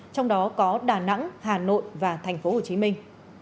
trong đó có đà nẵng hà nội và thành phố hồ chí minh